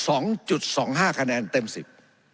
สองห้าคะแนนเต็มสิบ